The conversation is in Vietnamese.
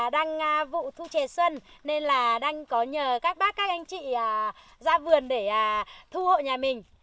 đang vụ thu chè xuân nên là đang có nhờ các bác các anh chị ra vườn để thu hội nhà mình